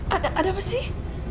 ada apa sih